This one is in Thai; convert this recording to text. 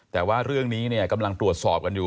แต่ว่าเรื่องนี้กำลังตรวจสอบกันอยู่